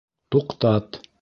Туҡтат!